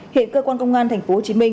hiện cơ quan công an tp hcm